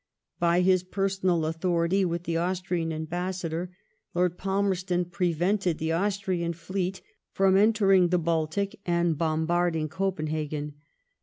By his personal authority with the Austrian ambassador. Lord Palmerston prevented the Austrian fleet from entering the Baltic and bombarding Copenhagen.